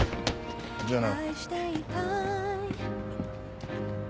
じゃあな。